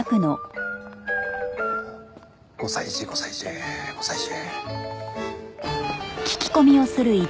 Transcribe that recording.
５歳児５歳児５歳児。